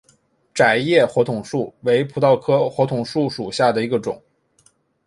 窄叶火筒树为葡萄科火筒树属下的一个种。